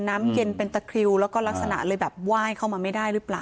น้ำเย็นเป็นตะคริวแล้วก็ลักษณะเลยแบบไหว้เข้ามาไม่ได้หรือเปล่า